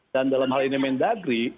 dan dalam hal ini mendagri